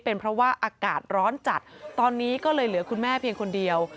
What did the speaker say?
เป็นเพราะว่าอากาศร้อนจัดตอนนี้ก็เลยเหลือคุณแม่เพียงคนเดียว